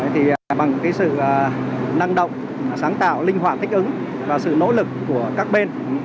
thì bằng cái sự năng động sáng tạo linh hoạt thích ứng và sự nỗ lực của các bên